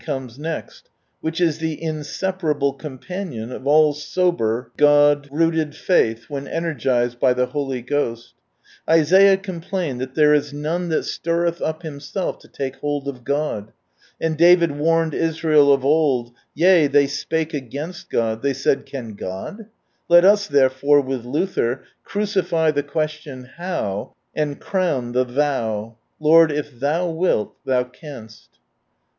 ministry, " Except a com of wheat fall into xii Introductory Note rooted faith when energiied by the Holy Ghost, Isaiah complained thai " there is none that stirreih up himself to take hold of God ": and David warned Israel of old, " Yea, they spake against God, they 5:iid, Can God ?" Let us, therefore, with Luther, crucify the question Hov!, and crown the Thou —" Lord if Thou wilt, Thou canst